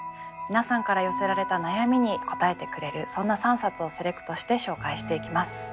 皆さんから寄せられた悩みに答えてくれるそんな３冊をセレクトして紹介していきます。